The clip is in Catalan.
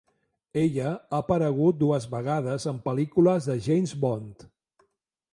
Ella ha aparegut dues vegades en pel·lícules de James Bond.